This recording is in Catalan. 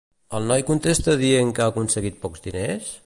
El noi contesta dient que ha aconseguit pocs diners?